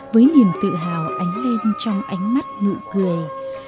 với niềm tự hào ánh lên trong ánh mắt nụ cười